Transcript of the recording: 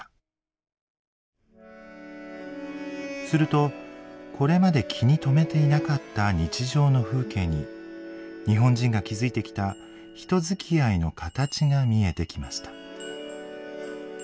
するとこれまで気に留めていなかった日常の風景に日本人が築いてきた人づきあいの形が見えてきました。